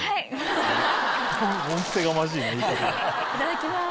いただきます。